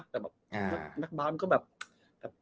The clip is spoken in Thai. แต่แบบนักบำเพราะก็แบบ